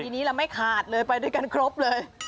ทีนี้เราไม่ขาดเลยไปด้วยกันครบเลย